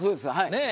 ねえ。